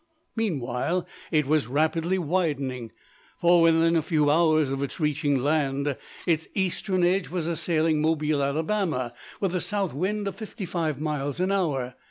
Meanwhile, it was rapidly widening: for within a few hours of its reaching land, its eastern edge was assailing Mobile, Alabama, with a south wind of fifty five miles an hour.